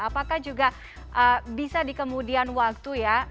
apakah juga bisa di kemudian waktu ya